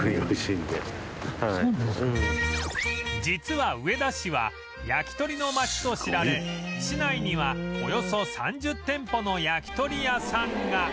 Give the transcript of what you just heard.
実は上田市は焼き鳥の街と知られ市内にはおよそ３０店舗の焼き鳥屋さんが